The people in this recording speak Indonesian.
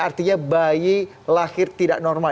artinya bayi lahir tidak normal